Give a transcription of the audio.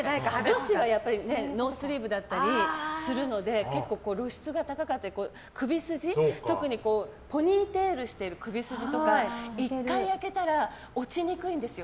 女子はノースリーブだったりするので結構露出が高かったり特にポニーテールしてる首筋とか１回焼けたら落ちにくいんですよ。